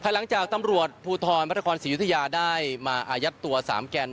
หลังจากตำรวจภูทรพระนครศรียุธยาได้มาอายัดตัว๓แกน